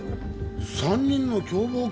３人の共謀か。